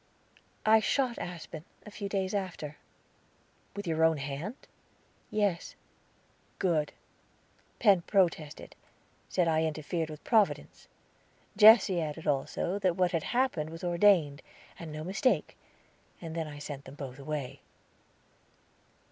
"I shot Aspen, a few days after." "With your own hand?" "Yes." "Good." "Penn protested, said I interfered with Providence. Jesse added, also, that what had happened was ordained, and no mistake, and then I sent them both away."